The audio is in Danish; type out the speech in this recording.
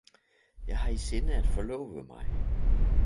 Jeg har i sinde at forlove mig